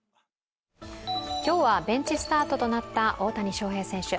今日はベンチスタートとなった大谷翔平選手。